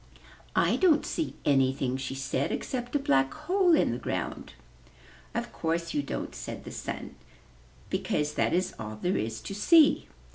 "I don't see anything," she said, "except a black hole in the ground." "Of course you don't," said the Sun, "because that is all there is to see.